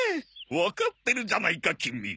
わかってるじゃないかキミ。